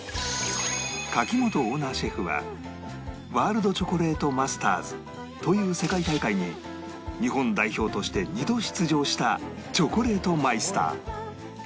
垣本オーナーシェフはワールドチョコレートマスターズという世界大会に日本代表として２度出場したチョコレートマイスター